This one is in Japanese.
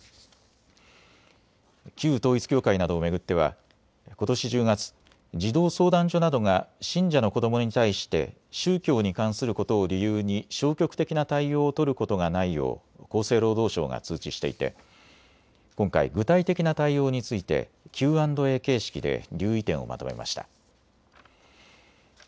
旧統一教会などを巡ってはことし１０月、児童相談所などが信者の子どもに対して宗教に関することを理由に消極的な対応を取ることがないよう厚生労働省が通知していて今回、具体的な対応についてＱ＆Ａ形式で留意点をまとめました。